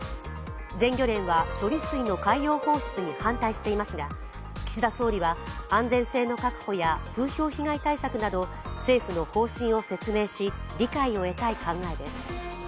全漁連は処理水の海洋放出に反対していますが岸田総理は安全性の確保や風評被害対策など政府の方針を説明し、理解を得たい考えです。